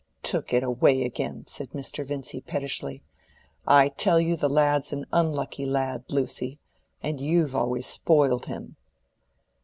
"Took it away again!" said Mr. Vincy, pettishly. "I tell you the lad's an unlucky lad, Lucy. And you've always spoiled him."